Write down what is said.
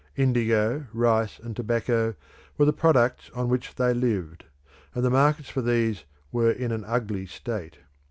Indigo, rice, and tobacco were the products on which they lived; and the markets for these were in an ugly state.